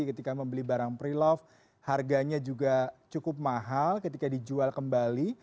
ketika membeli barang pre love harganya juga cukup mahal ketika dijual kembali